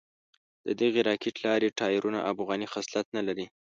ددغې راکېټ لارۍ ټایرونه افغاني خصلت نه لري.